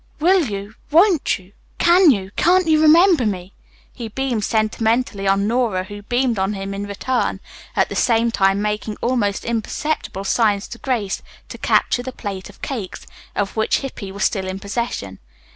Will you, won't you, can you, can't you remember me?" He beamed sentimentally on Nora, who beamed on him in return, at the same time making almost imperceptible signs to Grace to capture the plate of cakes, of which Hippy was still in possession.